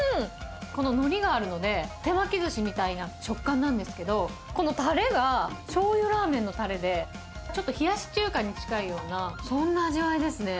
こののりがあるので、手巻きずしみたいな食感なんですけど、このたれが、しょうゆラーメンのたれで、ちょっと冷やし中華に近いような、そんな味わいですね。